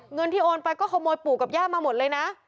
เงินที่โอนไปก็ขโมยปู่กับย่ามาหมดเลยนะ